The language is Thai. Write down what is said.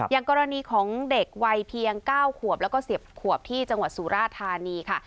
อย่างกรณีของเด็กวัยเพียง๙ขวบแล้วก็๑๐ขวบที่จังหวัดสุราธานีค่ะ